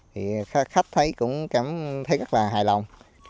thì khách thấy cũng cảm thấy rất là hài lòng